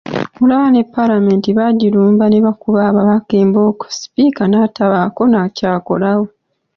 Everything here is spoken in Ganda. Olaba ne paalamenti baagirumba ne bakuba ababaka embooko sipiika natabaako na kyakolawo.